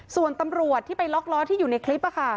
ส่วนตำรวจที่ไปล็อกล้อที่อยู่ในคลิป